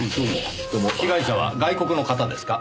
被害者は外国の方ですか？